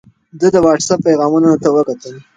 ده د وټس اپ پیغامونو ته وکتل.